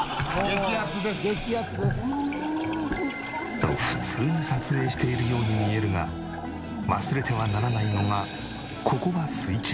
「激アツです」と普通に撮影しているように見えるが忘れてはならないのがここは水中。